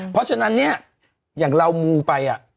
เพราะฉะนั้นเนี่ยอย่างเรามูไป